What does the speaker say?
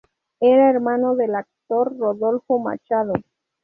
Era hermano del actor Rodolfo Machado.